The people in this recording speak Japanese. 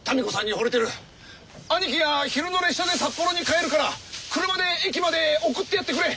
兄貴が昼の列車で札幌に帰るから車で駅まで送ってやってくれ